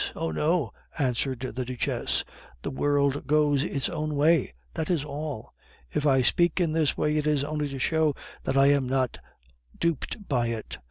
Oh, no," answered the Duchess; "the world goes its own way, that is all. If I speak in this way, it is only to show that I am not duped by it.